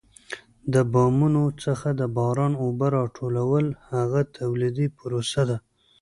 د بامونو څخه د باران اوبه را ټولول هغه تولیدي پروسه ده.